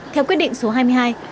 theo quyết định số hai mươi hai